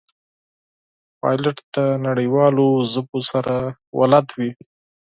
پیلوټ د نړیوالو ژبو سره بلد وي.